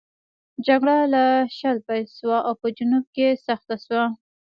جګړه له شله پیل شوه او په جنوب کې سخته وه.